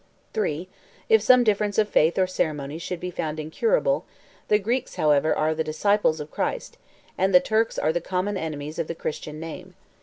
3. If some difference of faith or ceremonies should be found incurable, the Greeks, however, are the disciples of Christ; and the Turks are the common enemies of the Christian name.